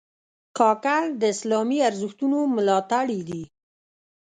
کاکړ د اسلامي ارزښتونو ملاتړي دي.